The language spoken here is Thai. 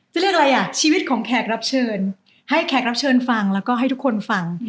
เรียกอะไรอ่ะชีวิตของแขกรับเชิญให้แขกรับเชิญฟังแล้วก็ให้ทุกคนฟัง